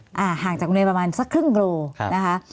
ห่างจากโรงเรียนประมาณสักครึ่งโลนะคะ